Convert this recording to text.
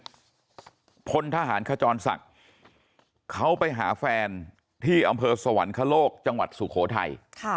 พลทหารขจรศักดิ์เขาไปหาแฟนที่อำเภอสวรรคโลกจังหวัดสุโขทัย